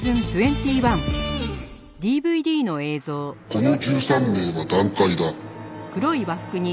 この１３名は団塊だ。